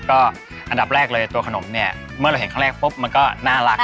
ก็อันดับแรกเลยตัวขนมเนี่ยเมื่อเราเห็นครั้งแรกปุ๊บมันก็น่ารัก